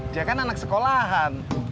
dia kan anak sekolahan